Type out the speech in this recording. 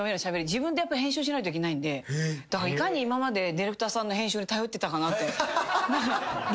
自分でやっぱり編集しないといけないんでいかに今までディレクターさんの編集に頼ってたかなって。